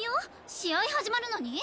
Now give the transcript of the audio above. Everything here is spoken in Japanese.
試合始まるのに？